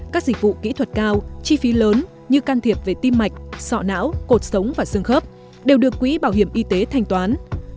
các dịch vụ kỹ thuật cao chi phí lớn như can thiệp về tim mạch sọ não cột sống và xương khớp đều được quỹ bảo hiểm y tế thanh toán